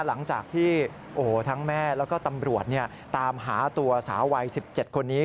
หลังจากที่ทั้งแม่แล้วก็ตำรวจตามหาตัวสาววัย๑๗คนนี้